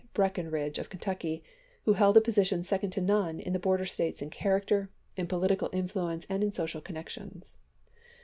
Breckinridge of Kentucky, who held a position second to none in the border States in character, in political in fluence, and in social connections.